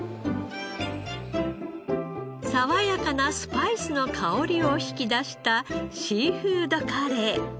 爽やかなスパイスの香りを引き出したシーフードカレー。